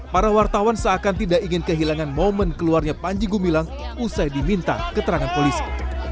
para wartawan seakan tidak ingin kehilangan momen keluarnya panji gumilang usai diminta keterangan polisi